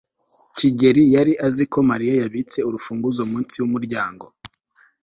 kigeri yari azi ko mariya yabitse urufunguzo munsi yumuryango